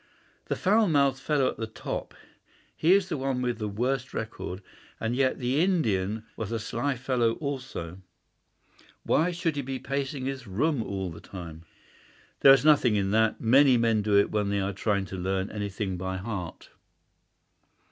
"The foul mouthed fellow at the top. He is the one with the worst record. And yet that Indian was a sly fellow also. Why should he be pacing his room all the time?" "There is nothing in that. Many men do it when they are trying to learn anything by heart."